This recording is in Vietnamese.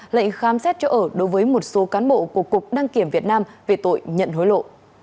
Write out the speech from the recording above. lệnh khám xét chỗ ở đối với một số cán bộ của cục đăng kiểm việt nam về tội nhận hối lộ